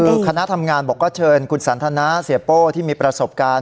คือคณะทำงานบอกว่าเชิญคุณสันทนาเสียโป้ที่มีประสบการณ์